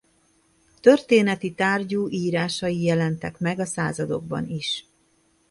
Történeti tárgyú írásai jelentek meg a Századokban is.